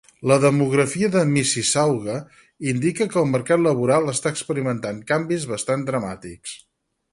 La demografia en Mississauga indica que el mercat laboral està experimentant canvis bastant dramàtics.